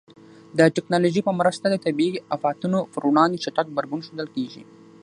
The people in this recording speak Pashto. د ټکنالوژۍ په مرسته د طبیعي آفاتونو پر وړاندې چټک غبرګون ښودل کېږي.